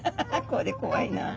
これ怖いな。